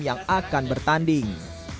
yang akan bertanding